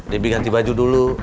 debi ganti baju dulu